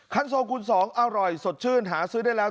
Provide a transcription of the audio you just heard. โซคูณ๒อร่อยสดชื่นหาซื้อได้แล้ว